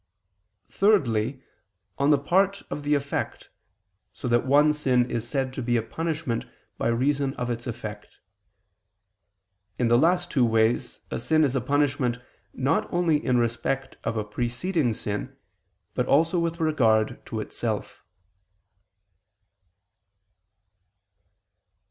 Thirdly, on the part of the effect, so that one sin is said to be a punishment by reason of its effect. In the last two ways, a sin is a punishment not only in respect of a preceding sin, but also with regard to itself.